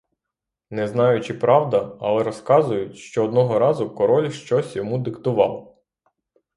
Не знаю, чи правда, але розказують, що одного разу король щось йому диктував.